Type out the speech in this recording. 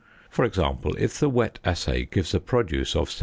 For example, if the wet assay gives a produce of 17.